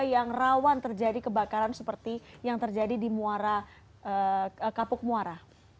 yang rawan terjadi kebakaran seperti yang terjadi di kapuk muara